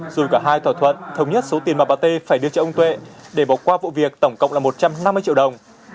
rồi cả hai thỏa thuận thống nhất số tiền mà bà t phải đưa cho ông tuệ để bỏ qua vụ việc tổng cộng là một trăm năm mươi triệu đồng